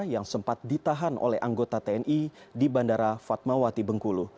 yang sempat ditahan oleh anggota tni di bandara fatmawati bengkulu